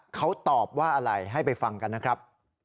เขาตอบว่าอะไรให้ไปฟังกันนะครับ